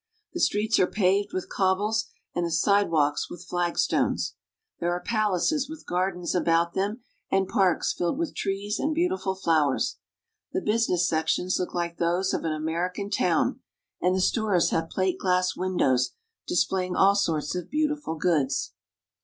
The streets are paved with cobbles, and the sidewalks with flag stones. There are palaces with gardens about them, and parks filled with trees and beautiful flowers. The business sections look like those of an American town, and the stores have plate glass windows, displaying all sorts of beautiful goods.